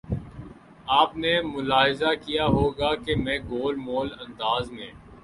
آپ نے ملاحظہ کیا ہو گا کہ میں گول مول انداز میں